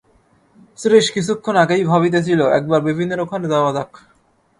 শ্রীশ কিছুক্ষণ আগেই ভাবিতেছিল, একবার বিপিনের ওখানে যাওয়া যাক।